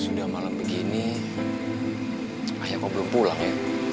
sudah malam begini ayah kok belum pulang ya